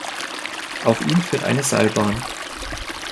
Auf ihn führt eine Seilbahn.